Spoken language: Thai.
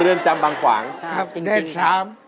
เรื่องจำบางขวางจริงนะครับจริงนะครับเนธชาม